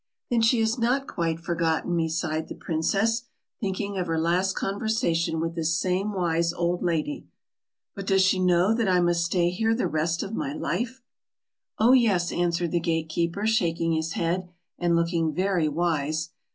"Then she has not quite forgotten me," sighed the princess, thinking of her last conversation with this same wise old lady. "But does she know that I must stay here the rest of my life?" "Oh yes," answered the gate keeper, shaking his head, and looking very wise.